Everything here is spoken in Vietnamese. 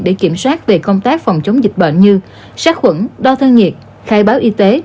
để kiểm soát về công tác phòng chống dịch bệnh như sát khuẩn đo thân nhiệt khai báo y tế